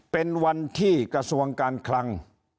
เป็นวันที่กระทรวงการคลัง